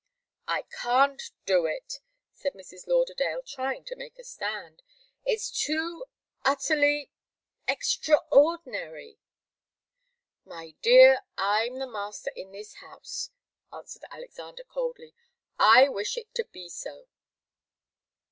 "I can't do it," said Mrs. Lauderdale, trying to make a stand. "It's too utterly extraordinary " "My dear, I'm the master in this house," answered Alexander, coldly. "I wish it to be so.